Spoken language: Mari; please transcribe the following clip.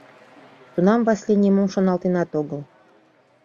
Тунам Васлий нимом шоналтенат огыл.